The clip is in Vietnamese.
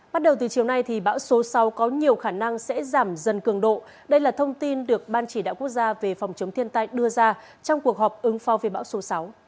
bắt đầu từ chiều nay bão số sáu có nhiều khả năng sẽ giảm dần cường độ đây là thông tin được ban chỉ đạo quốc gia về phòng chống thiên tai đưa ra trong cuộc họp ứng phó về bão số sáu